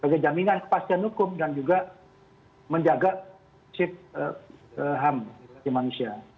bagaimana jaminan kepastian hukum dan juga menjaga sifat ham di malaysia